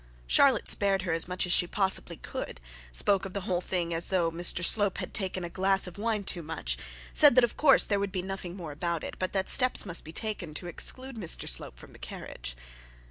Charlotte spared her as much as she possibly could, spoke of the whole thing as though Mr Slope had taken a glass of wine too much, said that of course there would be nothing more about it, but that steps must be taken to exclude Mr Slope from the carriage.